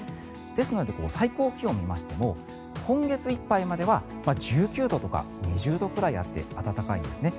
ですので、最高気温を見ましても今月いっぱいまでは１９度とか２０度くらいあって暖かいんですね。